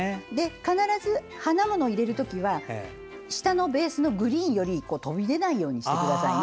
必ず、花物を入れるときは下のベースのグリーンより飛び出ないようにしてください。